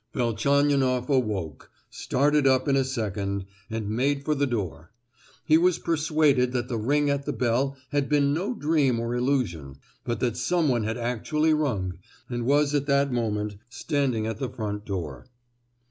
Velchaninoff awoke, started up in a second, and made for the door; he was persuaded that the ring at the bell had been no dream or illusion, but that someone had actually rung, and was at that moment standing at the front door.